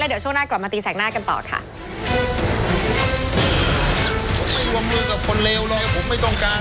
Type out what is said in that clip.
เดี๋ยวช่วงหน้ากลับมาตีแสกหน้ากันต่อค่ะ